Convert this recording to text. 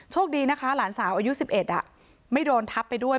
คดีนะคะหลานสาวอายุ๑๑ไม่โดนทับไปด้วย